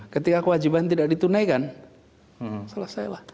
ketika kewajiban tidak ditunaikan selesailah